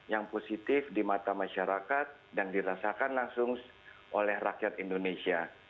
yang positif di mata masyarakat dan dirasakan langsung oleh rakyat indonesia